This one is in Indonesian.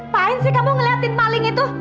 kenapa kamu melihat maling itu